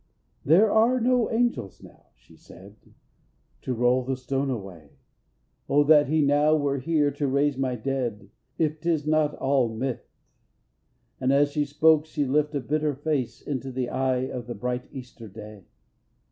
"There are no angels now," she said, "to roll The stone away. O that He now were here To raise my dead, if 'tis not all a myth!" And as she spoke she lift a bitter face Into the eyes of the bright Easter day.